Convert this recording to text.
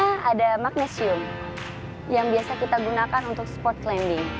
karena ada magnesium yang biasa kita gunakan untuk sport climbing